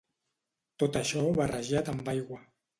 Tot això barrejat amb aigua.